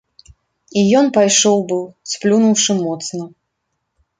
І ён пайшоў быў, сплюнуўшы моцна.